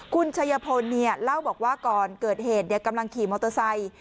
คุณชัยพลเล่าบอกว่าก่อนเกิดเหตุกำลังขี่มอเตอร์ไซค์